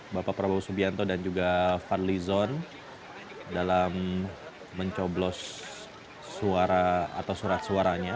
bapak prabowo subianto dan juga fadlizon dalam mencoblos surat suaranya